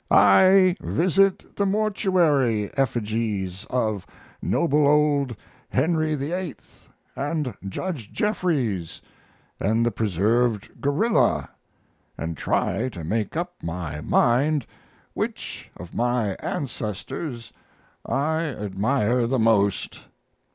] I visit the mortuary effigies of noble old Henry VIII., and Judge Jeffreys, and the preserved gorilla, and try to make up my mind which of my ancestors I admire the most.